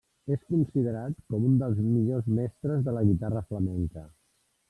És considerat com un dels millors mestres de la guitarra flamenca.